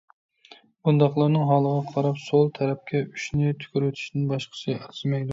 بۇنداقلارنىڭ ھالىغا قاراپ سول تەرەپكە ئۈچنى تۈكۈرۈۋېتىشتىن باشقىسى ئەرزىمەيدۇ.